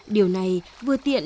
điều này vừa tiện